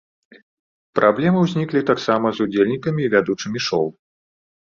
Праблемы ўзніклі таксама з удзельнікамі і вядучымі шоў.